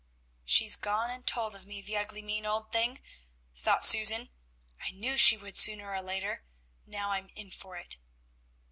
"She's gone and told of me, the ugly, mean, old thing," thought Susan. "I knew she would sooner or later. Now I'm in for it!"